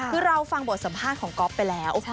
คือเราฟังบทสัมภาษณ์ของก๊อฟไปแล้ว